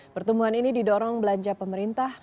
pertumbuhan ini didorong belanja pemerintah